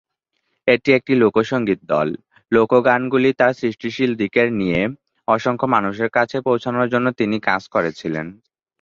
এটি একটি লোকসঙ্গীত দল; লোক গানগুলি তার সৃষ্টিশীল দিকের নিয়ে, অসংখ্য মানুষের কাছে পৌঁছানোর জন্য তিনি কাজ করেছিলেন।